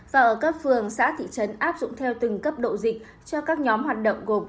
và ở các phường xã thị trấn áp dụng theo từng cấp độ dịch cho các nhóm hoạt động gồm